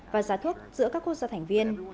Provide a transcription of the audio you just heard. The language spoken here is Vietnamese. và giá thuốc giữa các khu sở thành viên